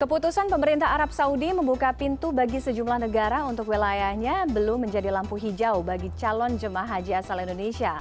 keputusan pemerintah arab saudi membuka pintu bagi sejumlah negara untuk wilayahnya belum menjadi lampu hijau bagi calon jemaah haji asal indonesia